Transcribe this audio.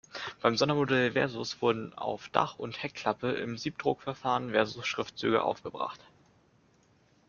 Beim Sondermodell „Versus“ wurden auf Dach und Heckklappe im Siebdruckverfahren Versus Schriftzüge aufgebracht.